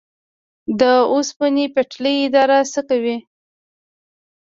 د اوسپنې پټلۍ اداره څه کوي؟